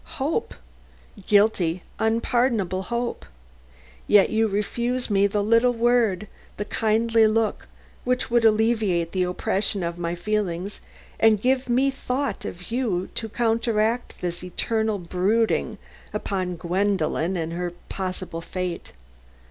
hope; guilty, unpardonable hope. Yet you refuse me the little word, the kindly look, which would alleviate the oppression of my feelings and give me the thought of you to counteract this eternal brooding upon Gwendolen and her possible fate.